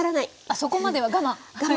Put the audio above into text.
そこまでは我慢！